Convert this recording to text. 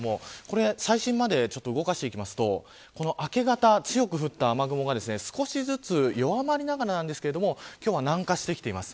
最新まで動かしていくと明け方強く降った雨雲が少しずつ弱まりながらですが南下してきています。